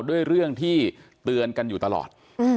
ด้วยเรื่องที่เตือนกันอยู่ตลอด